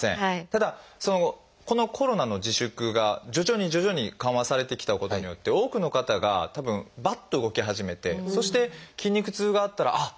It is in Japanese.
ただこのコロナの自粛が徐々に徐々に緩和されてきたことによって多くの方がたぶんバッと動き始めてそして筋肉痛があったらあっ